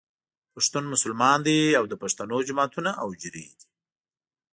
پښتون مسلمان دی او د پښتنو جوماتونه او حجرې دي.